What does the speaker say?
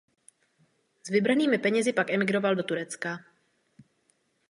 S vybranými penězi pak emigroval do Turecka.